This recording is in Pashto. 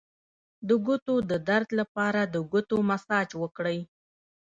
د ګوتو د درد لپاره د ګوتو مساج وکړئ